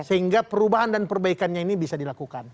sehingga perubahan dan perbaikannya ini bisa dilakukan